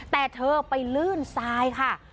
แต่เธอไปลื่นทรายค่ะ